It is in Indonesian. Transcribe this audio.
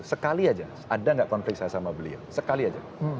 sekali aja ada nggak konflik saya sama beliau sekali aja